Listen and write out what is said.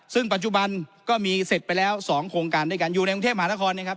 ซึ่งปัจจุบันก็มีเสร็จไปแล้ว๒โครงการด้วยกันอยู่ในกรุงเทพมหานครนะครับ